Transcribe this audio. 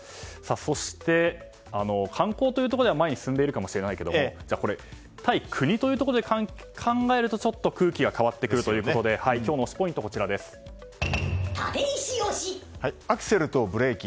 そして、観光というところでは前に進んでいるかもしれないけど対国というところで考えると空気が変わってくるということでアクセルとブレーキ。